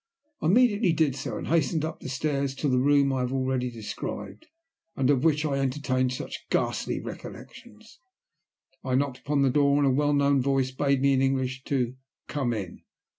I immediately did so, and hastened up the stairs to the room I have already described, and of which I entertained such ghastly recollections. I knocked upon the door, and a well known voice bade me in English to "come in."